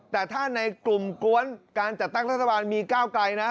แต่ถ้าในกลุ่มกวนการจัดตั้งรัฐบาลมีก้าวไกลนะ